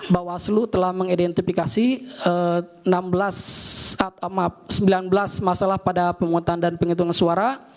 bawaslu telah mengidentifikasi sembilan belas masalah pada pemungutan dan penghitungan suara